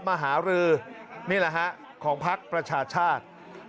มหาลือนี่แหละฮะของภักดิ์ประชาชาชน์